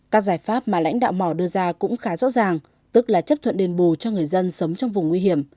các giải pháp mà lãnh đạo mò đưa ra cũng khá rõ ràng tức là chấp thuận đền bù cho người dân sống trong vùng nguy hiểm